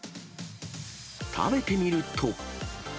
食べてみると。